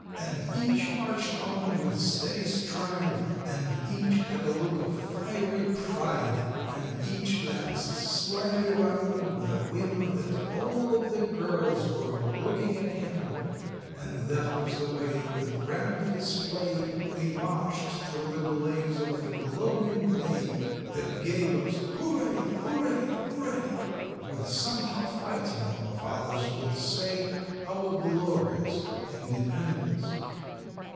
And each marched on with steady stride, And each had a look of fiery pride; And each glanced slyly round, with a whim That all of the girls were looking at him; And that was the way, With grand display, They marched through the blaze of the glowing day, That gave us Hurray! Hurray! Hurray! (With some hot fighting, our fathers would say,) Our glorious Independence!